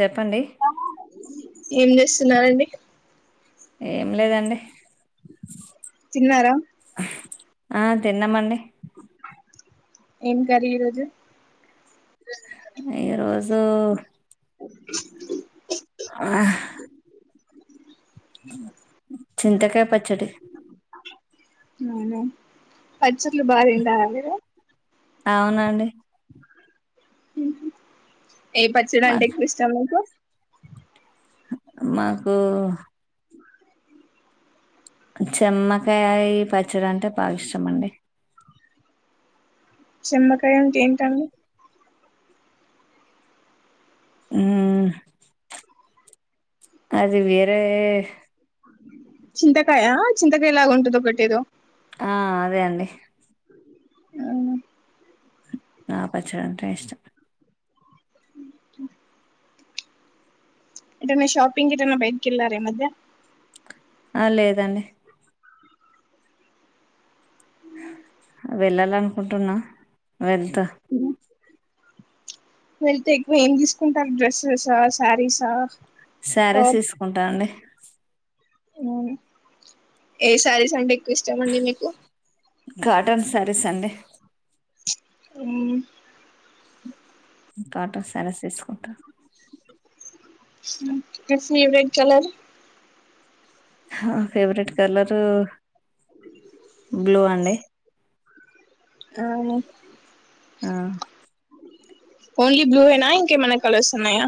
చెప్పండి అ ఏం చేస్తున్నారండి ఏం లేదండి చిన్నారా ఆ తిన్నామండి. ఏం కర్రీ ఈరోజు ఈరోజు ఆ చింతకాయ్ పచ్చడి అవును పచ్చర్లు బాగ తింటారా మీరు అవునండి ఉ ఏ పచ్చడి మా అంటే ఎక్కువ ఇష్టం మీకు మాకు చెమ్మకాయి ప చ్చడ అంటే బాగా ఇష్టమండి చిమ్మకాయ అంటే ఏంటండి ఉ అది వేరే చింతకాయ చింతకాయలాగా ఉంటది ఒకటి ఏదో ఆ అదే అండి ఆ నా పచ్చడంటే ఇష్టం. అ అంటే మీ షాపింగ్ ఎటన్నా బయకిల్లార ఈ మధ్య ఆ లేదండి వెళ్ళాలనుకుంటున్నా వెళ్త వెళ్తే ఎక్కువ ఏం తీసుకుంటారు డ్రెస్సెసా శారీసా శారీస్ టాప్ తీసుకుంటా అండి ఉం ఏ శారీస్ అంటే ఎక్కువ ఇష్టమండి మీకు కాటన్ సారీస్ అండి అవు కాటర్ సారస్ తీసుకుంటా మీ ఫేవరెట్ కలర్ ఆ ఫేవరెట్ కలరు బ్లూ అండి అవును ఆ ఓన్లీ బ్లూ యేనా ఇంకేమన్నా కలర్స్ ఉన్నాయా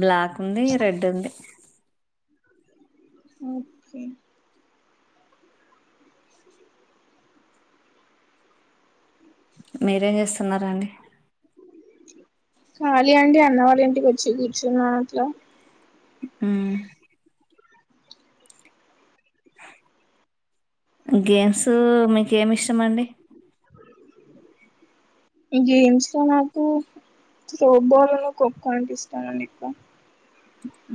బ్లాక్ ఉంది రెడ్ ఉంది ఓకే మీరేం చేస్తున్నారాండి? ఖాళీ అండి అన్నవాళ్ళ ఇంటికి వచ్చి కూర్చున్నా అట్లా ఆ గేమ్స్ మీకేమి ఇష్టం అండి ఈ గేమ్స్ లో నాకు త్రోబాల్ని, ఖోఖో అంటే ఇస్తామండి ఇంకా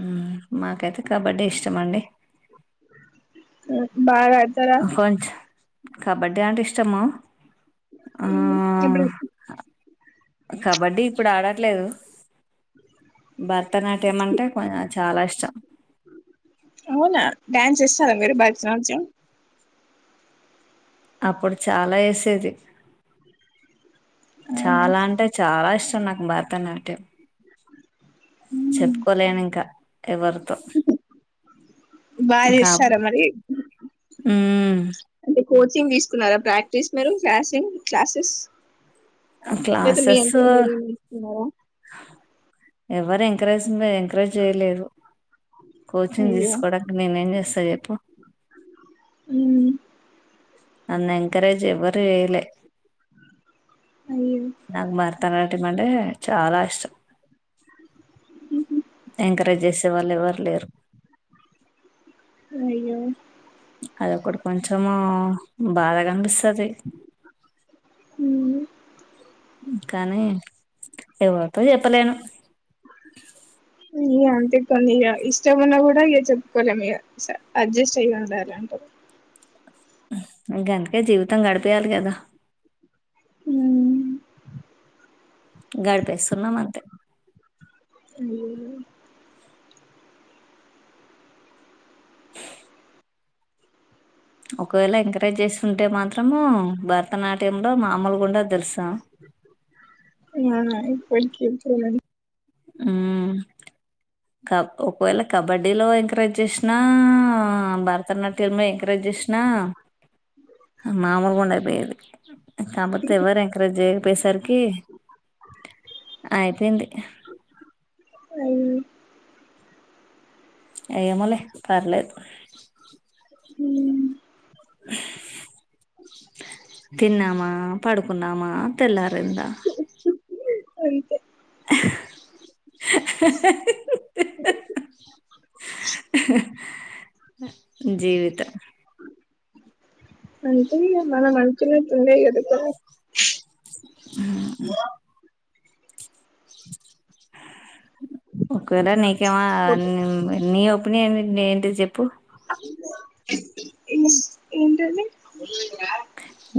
మ్మ్. మాకైతే కబడ్డే ఇష్టమండి బాగా కల్ కొంచ కబడ్డీ అంటే ఇష్టమా ఆ ఇప్పుడు కబడ్డీ ఇప్పుడు ఆడా లేదు భరతనాట్యం అంటే చాలా ఇష్టం చ్చా అవునా డ్యాన్స్ చేస్తారా మీరు భరతనాట్యం అప్పుడు చాలా వేసేది అవునా చాలా అంటే చాలా ఇష్టం నాకు భరతనాట్యం చెప్పుకోలేను ఇంకా ఎవరితో బాగా ఇంకా చేస్తారా మరి అంటే కోచింగ్ తీసుకున్నారా ప్రాక్టీస్ మరు క్లాసింగ్ క్లాసెస్ లేదా మీ క్లాసెస్ అంటర ఊరు నిస్తుకున్నారా ఎవరు ఎంకరేజ్ ఎంకరేజ్ చేయలేదు కోచింగ్ అయ్యో తీసుకోవడానికి నేనే ఏం చేస్తా చెప్పు అన్న ఎంకరేజ్ ఎవ్వర చెయ్యలే అయ్యో నాకు భరతనాట్యం అంటే చాలా ఇష్టం ఎంకరేజ్ చేసే వాళ్ళు ఎవారు లేరు అయ్యో అదొకటి కొంచము బాధ కనిపిస్తుది కాానీ ఎవరితో చెప్పలేను ఇ అంతే కొన్ని ఇక ఇష్ట ఉన్నా కూడా ఇక చెప్పుకోలే ఇ అడ్జస్ట్ అయ ఉండాలంటారు గంతక జీవితంగడపియాల కద హ గడపేస్తున్నామంత అ ఒకవేళ ఎంకరేజ్ చేస్తుంటే మాత్రము భర్త భరతనాట్యంలో మామూలు గుండ తెలుసాం [unintelligible] క ఒకవేళ కబడ్డీలో ఎంకరేజ్ చేసినా భరతనాట్యం మ ఎంకరేజ్ చేసినా మామూలుగాం అయిపోయేది కాకపోతే ఎవరు ఎంకరేజ్ చేయ్య పోయేసరికి అయిపోయింది అవును ఏమో లే పర్లేదు హ తిన్నామా పడుకున్నామా తెల్లారుందా స జీవిత అంటే మన మనతుల [unintelligible] ఆ ఓకేడా నీకేం అనిని నీప్ నేనేంటిది చెప్పు ఏ ఏంటది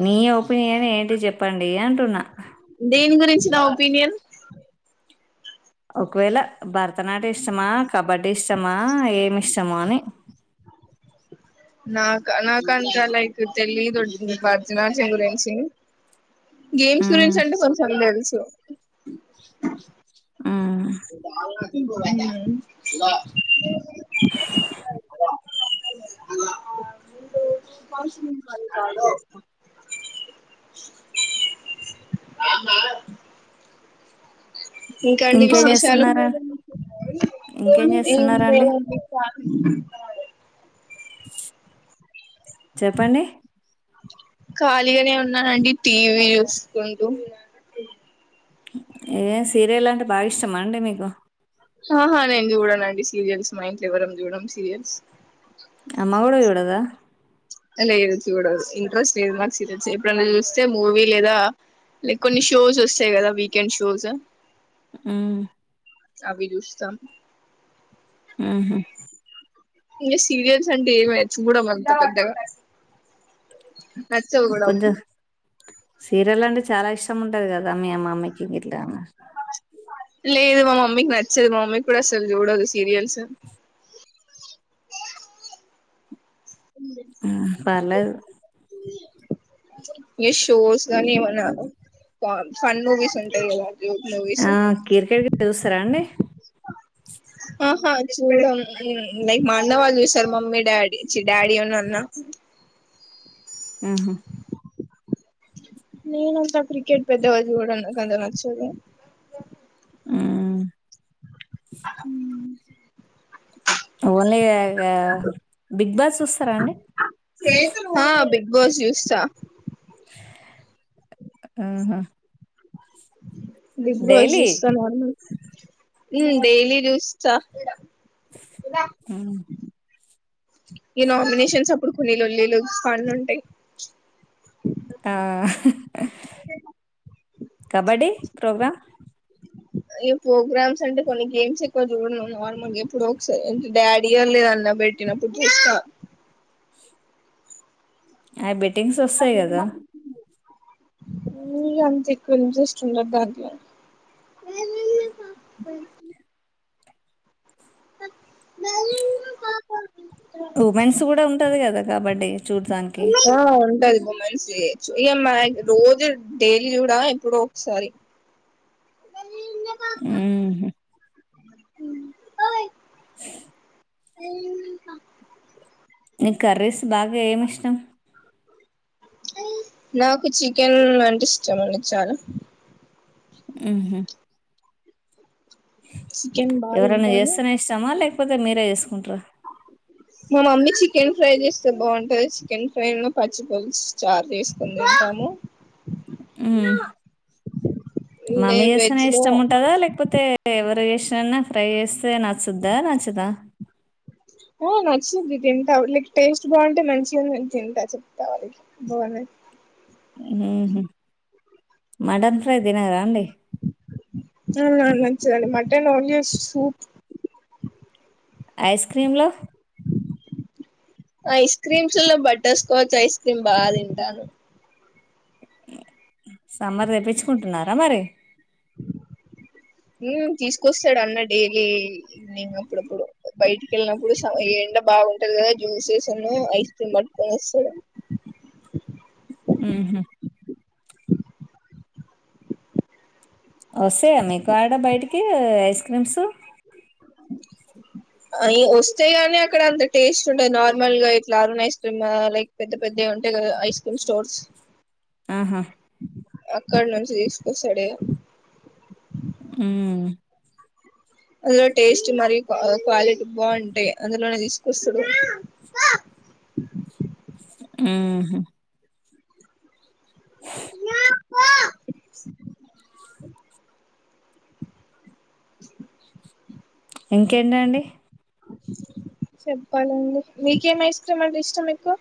నీ ఒపీనియన్ ఏంటి చెప్పండి ఏ అంటన్నా ఇచ్చిన ఒపీనియన్ ఒకవేళ బర్త నాట్యం ఇష్టమా కబడ్డీ ఇష్ట ఇష్టమా ఏమి ఇష్టం అని నాక నాకు అంత లైక్ తెలిదు అండి భరతనాట్యం గురించి గేమ్స్ ఉమ్, గురించి అంటే కొంచం తెలుసు [inaudible] ఆ [inaudible] [inaudible] ఇంకా అండి ఇంకేం విశేషాలు చేస్తున్నారా ఇంకేం చేస్తున్నారా అండి చెప్పండి ఖాళీగానే ఉన్నానండి టీవీ చూసుకుంటూ ఏం సీరియల్ అంటే బాగా ఇష్టమా అండి మీకు ఆహా నేను చూడనుండి సీరియల్స్ మా ఇంట్లో ఎవరం చూదాం సీరియల్స్ అమ్మ కూడా చూడదా లేదు చూడదు ఇంట్రెస్ట్ లేదు నాకు చరచ్చ ఎప్పుడన్నా చూస్తే మూవీ లేదా లైక్ కొన్ని షోస్ వస్తాయి కదా వీకెండ్ షోస్ మ్మ్ అవి చూస్తాం ఆహ ఇంకా సీరియల్స్ అంటే ఏ మ్యాచ్ కూడా అంత పెద్దగా నచ్చగుడం కొంచెం సీరియల్ అంటే చాలా ఇష్టం ఉంటది కద మమ్మీకి ఇిట్లా లేదు మా మమ్మీకి నచ్చదు మా మమ్మీ కూడా అసలు చూడదు సీరియల్స్ ఆ పర్లేదు [inaudible] ఇంకా షోస్ కానీ ఏమన్నా ఫ ఫన్ మూవీస్ ఉంటాయి చూడు ఆ కీర్కెట్ చూస్తారా అండి ఆహా చూదాం అండి లైక్ మా అన్న వాళ్ళు చూస్తారు మమ్మీ డాడీ చి డాడీ అను అన్నా ఆహా నేనంత క్రికెట్ పెద్దగా చూడను నాకంత నచ్చదు ఆ అ ఓన్లీ బిగ్ బాస్ చూస్తారా అండి బో జూస్తా ఆహా బిగ్ బాస్ చూస్తున్నాన్ను డైలీ చూస్తా అ ఈ నోమినషన్ స ఇప్పుడు కొన్ని లొల్లిలు కాలు ఉంటాయి ఆ కబడ్డీ ప్రోగ్రామ్ ఈ ప్రోగ్రామ్స్ అంటే కొన్ని గేమ్స్ ఎక్కువ చూడడం నార్మల్గా ఎప్పుడో ఒకసారి ఎంట డాడీ లేదన్నా పెట్టినప్పుడు చూస్తా అ బెట టింగ్స్ వస్తాయి కదా అంత ఎక్కువ ఇంట్రెస్ట్ ఉండదు దాంట్లో న ఉమెన్స్ కూడా ఉంటది కదా కబడ్డీ డి చూద్దానికి ఆ ఉంటది ఉమెన్స్ డే ఇ రోజు డైలీ చూడా ఎప్పుడో ఒకసారి ఉహా నీ కర్రీస్ బాగా ఏమి ఇష్టం నాకు చికెన్ అంటే ఇష్టమండి చాల ఆహ చికెన్ బాగా ఎవరనా తింటాను చేస్తనే ఇష్టమా లేక్ కాకపోతే మీరేసుకుంటార మా మమ్మీ చికెన్ ఫ్రై చేస్తే బాగుంటంది చికెన్ ఫ్రై లో పచ్చి పులుసు చారు వేసుకుంటాము మామీ చేస్తేనే ఇష్టంముంటదా లేకపోతే ఎవరు చెన్న ఫ్రై చే తే నచ్చుదా నచ్చదా ఓ నచ్చింది తింటా క్ టేస్ట్ బాగుంటే మంచిగా ఉంది తింటా చెప్తా వాళ్ళకి బాగుంది ఉహ హ మటన్ ఫ్రై తినరా అండి అన్నం చేయాలి మటన్ ఓలియ సూప్ ఐస్ క్రీమ్ లు ఐస్ క్రీమ్స్ లో బటర్ స్కాచ్ ఐస్ క్రీమ్ బాగా తింటాను సాంబార్ తెప్పిచ్చుకుట్టున్నారా మరి తీసుకొస్తాడు అన్న డైలీ ఈవెనింగ్ అప్పుడప్పుడు బయటికి వెళ్ళినప్పుడు ష ఎండ బాగుంటది కదా జ్యూసెస్ ను ఐస్ క్రీమ్ పట్టుకొని వస్తాడు మ్ హు వస్తాయా మీకు ఆడ బయటికి ఐస్ క్రీమ్స్ అ వస్తే గాని అక్కడ అంత టేస్ట్ ఉండదు నార్మల్ గా ఎట్లా అరుణ్ ఐస్ క్రీమ్ లైక్ పెద్ద పెద్ద ఉంటాయి కదా ఐస్ క్రీమ్ స్టోర్స్ ఆహా అక్కడ నుంచి తీసుకొస్తాడే మ్ అందులో టేస్ట్ మరి క్వాలిటీ బాగుంటాయి అందులోనే తీసుకొస్తాడు మ్ హు అ నాకో ఇంకేంటండి చెప్పాలండి మీకేం ఐస్ క్రీమ్ అంటే ఇష్టం మీకు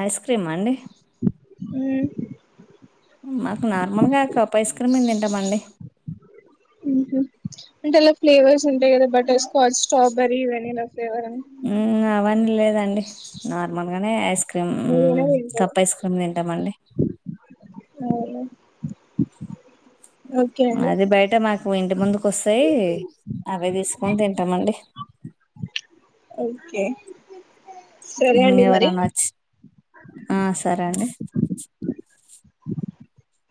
ఐస్ క్రీమా అండి మ్ మాకు నార్మల్గా కప్ ఐస్ ఎక్కడమని తింటామండి అంటే అలా ఫ్లేవర్స్ ఉంటాయి కదా బటర్స్కాచ్ స్ట్రాబెర్రీ వెన్నిల మ్ అవన్ లే దండి నార్మల్ గానే ఐస్ క్రీమ్ ఏదైనా తింటారు కప్ ఐస్ క్రీమ్ తింటామండి అవును అదే బయట మా ఇంటి ముందుకు వస్తే అవే తీసుకొని తింటామండి ఓక్కే సరే మ్మ్ అండి మరి ఎవరన్నా వచ్చి ఆ సరే అండి [inaudible]